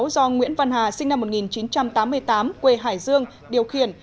do nguyễn văn hà sinh năm một nghìn chín trăm tám mươi tám quê hải dương điều khiển